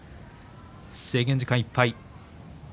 制限時間いっぱい。